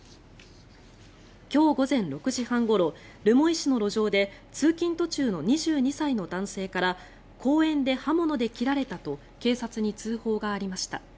今日午前６時半ごろ留萌市の路上で通勤途中の２２歳の男性から公園で刃物で切られたと警察に通報がありました。